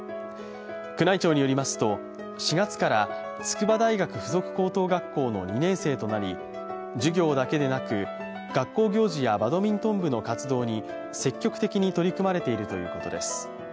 宮内庁によりますと、４月から筑波大学付属高等学校の２年生となり授業だけでなく、学校行事やバドミントン部の活動に積極的に取り組まれているということです。